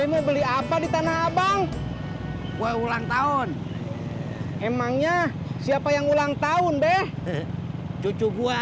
mau beli apa di tanah abang baru ulang tahun emangnya siapa yang ulang tahun deh cucu gue